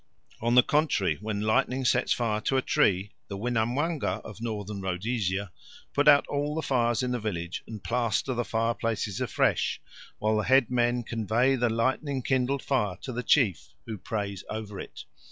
On the contrary, when lightning sets fire to a tree, the Winamwanga of Northern Rhodesia put out all the fires in the village and plaster the fireplaces afresh, while the head men convey the lightning kindled fire to the chief, who prays over it.